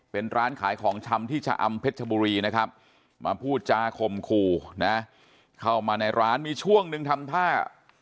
เป็นร้านขายของชำที่ชะอำเพชรชบุรีนะครับมาพูดจาคมคู่นะเข้ามาในร้านมีช่วงหนึ่งทำท่า